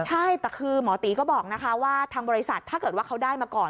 ใช่แต่คือหมอตีก็บอกนะคะว่าทางบริษัทถ้าเกิดว่าเขาได้มาก่อน